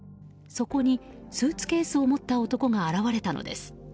そこにスーツケースを持った男が現れたのです。